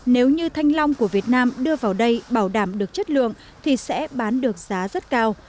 nếu như thanh long của việt nam đưa vào đây bảo đảm được chất lượng thì sẽ bán được giá rất cao